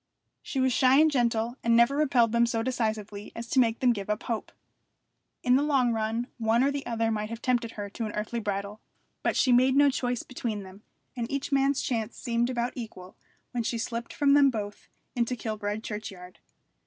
She was shy and gentle, and never repelled them so decisively as to make them give up hope. In the long run one or the other might have tempted her to an earthly bridal; but she made no choice between them; and each man's chance seemed about equal when she slipped from them both into Kilbride churchyard.